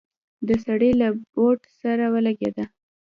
د سړي له بوټ سره ولګېده.